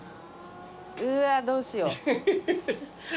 うわどうしよう。